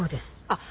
あっ